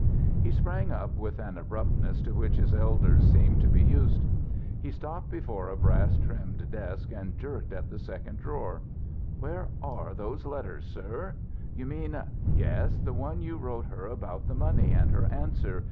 He sprang up with an abruptness to which his elders seemed to be used. He stopped before a brass trimmed desk and jerked at the second drawer. "Where are those letters, sir?" "You mean " "Yes, the one you wrote her about the money, and her answer.